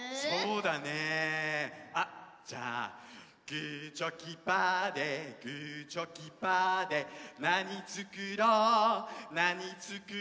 「グーチョキパーでグーチョキパーでなにつくろうなにつくろう」